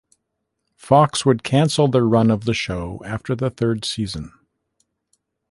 Fox would cancel their run of the show after the third season.